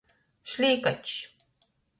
Šlīkačs.